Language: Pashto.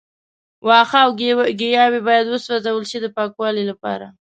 وښه او ګیاوې باید وسوځول شي د پاکوالي لپاره.